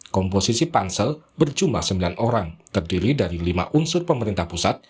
komposisi pansel berjumlah sembilan orang terdiri dari lima unsur pemerintah pusat